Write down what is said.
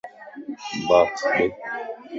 باڪس ڏي